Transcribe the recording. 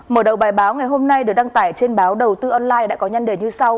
mở đầu bài báo ngày hôm nay được đăng tải trên báo đầu tư online đã có nhân đề như sau